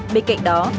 bên cạnh đó